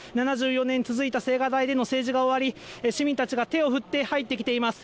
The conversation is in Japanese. ７４年続いた青瓦台の政治が終わり、市民たちが手を振って、入ってきています。